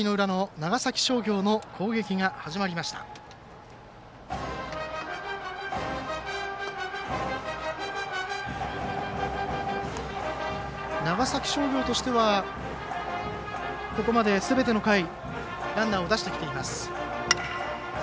長崎商業としてはここまで、すべての回ランナーを出してきています。